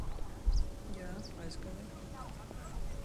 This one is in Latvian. Jā, aizgāju.